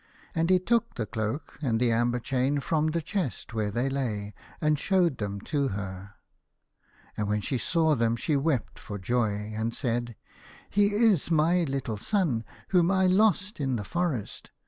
And he took the cloak and the amber chain from the chest where they lay, and showed them to her. And when she saw them she wept for joy, and said, " He is my little son whom I lost in the forest.